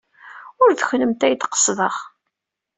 Ur d kennemti ay d-qesdeɣ.